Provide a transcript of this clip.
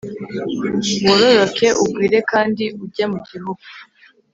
wororoke ugwire kandi ujye mu gihugu